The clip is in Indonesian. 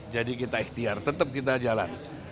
jadi kita ikhtiar tetap kita jalan